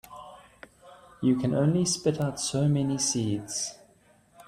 You can only spit out so many seeds.